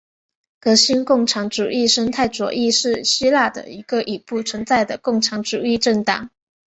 革新共产主义生态左翼是希腊的一个已不存在的共产主义政党。